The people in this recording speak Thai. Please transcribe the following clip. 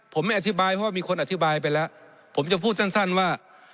ผมไม่อธิบายเพราะว่ามีคนอธิบายไปแล้วผมจะพูดสั้นว่า